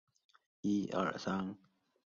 加入中共。